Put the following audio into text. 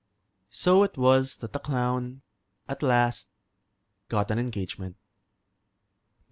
So it was that the clown at last got an engagement.